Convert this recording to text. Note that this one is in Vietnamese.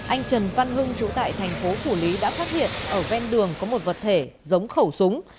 anh trần văn hưng chủ tại thành phố phủ lý đã phát hiện ở ven đường có một vật thể giống khẩu súng